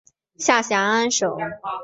下辖安省。